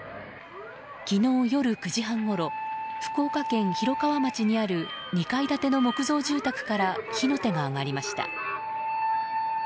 昨日夜９時半ごろ福岡県広川町にある２階建ての木造住宅から火の手が上がりました。